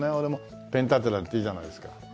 ペン立てなんていいじゃないですか。